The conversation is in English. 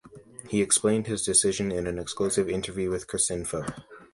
He explained his decision in an exclusive interview with Cricinfo.